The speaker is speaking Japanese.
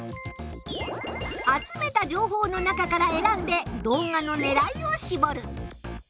集めた情報の中からえらんで動画のねらいをしぼる。